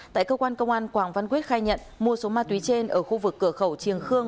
tại cơ quan công an quảng văn quyết khai nhận mua số ma túy trên ở khu vực cửa khẩu triềng khương